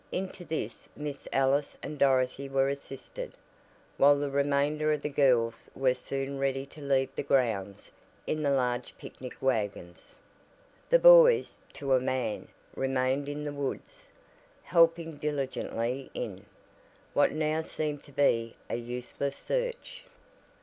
Into this Miss Ellis and Dorothy were assisted, while the remainder of the girls were soon ready to leave the grounds in the large picnic wagons. The boys "to a man" remained in the woods, helping diligently in, what now seemed to be, a useless search.